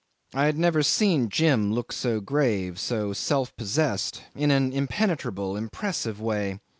I had never seen Jim look so grave, so self possessed, in an impenetrable, impressive way.